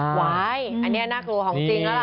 ไหวอันนี้ามีน่ากลัวของจริงอาหญิง